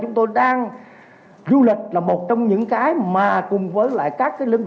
chúng tôi đang sử dụng các nội dung để phát triển du lịch sinh thái phát triển du lịch cộng đồng